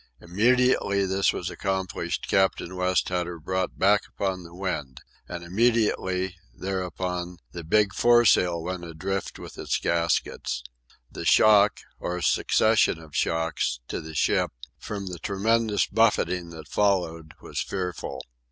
Immediately this was accomplished Captain West had her brought back upon the wind. And immediately, thereupon, the big foresail went adrift from its gaskets. The shock, or succession of shocks, to the ship, from the tremendous buffeting that followed, was fearful.